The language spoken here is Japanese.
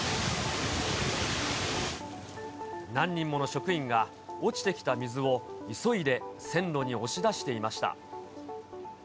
何人もの職員が、落ちてきた水を急いで線路に押し出していました。